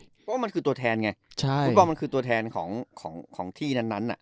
เพราะว่ามันคือตัวแทนไงฟุตบอลมันคือตัวแทนของที่นั้น